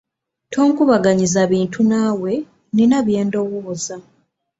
Tonkubaganyiza bintu naawe nnina bye ndowooza.